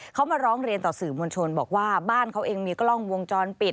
เขามาร้องเรียนต่อสื่อมวลชนบอกว่าบ้านเขาเองมีกล้องวงจรปิด